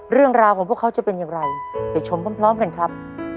เรื่องราวของพวกเขาจะเป็นอย่างไรไปชมพร้อมกันครับ